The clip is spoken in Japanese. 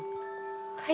はい。